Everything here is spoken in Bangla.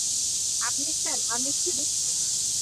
আপনি চান আমি ফিরি।